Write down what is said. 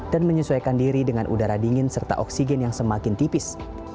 dan menyesuaikan diri dengan udara dingin serta oksigen yang semakin tipis